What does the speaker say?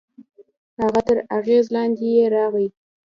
هغه تر اغېز لاندې يې راغی.